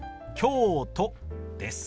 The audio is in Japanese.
「京都」です。